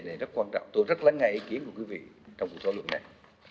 vấn đề này rất quan trọng tôi rất lắng nghe ý kiến của quý vị trong cuộc thỏa lượng này